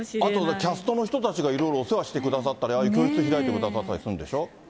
あとキャストの人たちがいろいろ、お世話してくださったり、ああいう教室開いてくださったりするんでしょ。